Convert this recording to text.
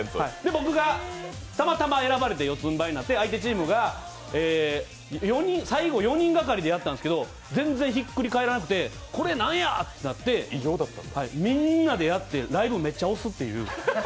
僕がたまたま選ばれて四つんばいになって、相手チームが最後、４人がかりでやったんですけど、全然ひっくり返らなくてこれ、なんや！ってなってみんなでやってライブめっちゃ押すという。